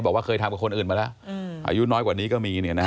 บอกว่าเคยทำกับคนอื่นมาแล้วอายุน้อยกว่านี้ก็มี